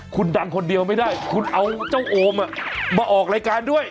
คุณดังคนเดียวไม่ได้คุณเอาเจ้าโอมมาออกรายการด้วย